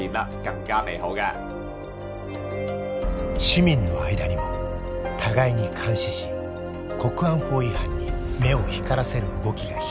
市民の間にも互いに監視し国安法違反に目を光らせる動きが広がっている。